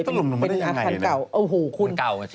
ต้นลงมาได้อย่างไรน่ะเป็นอาคารเก่าโอ้โฮคุณเป็นอาคารเก่า